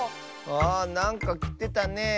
あなんかきてたねえ。